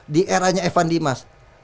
di eranya evan dimas